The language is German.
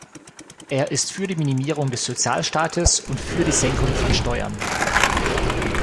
Er ist für die Minimierung des Sozialstaates und für die Senkung von Steuern.